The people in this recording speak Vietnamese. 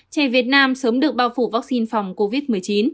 trẻ việt nam sớm được bao phủ vaccine phòng covid một mươi chín